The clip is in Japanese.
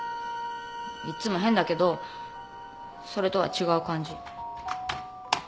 いっつも変だけどそれとは違う感じ。